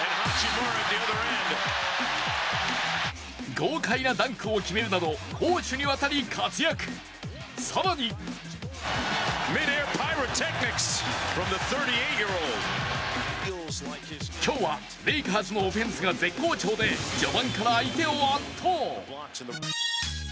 豪快なダンクを決めるなど攻守にわたり活躍、更に今日はレイカーズのオフェンスが絶好調で序盤から相手を圧倒。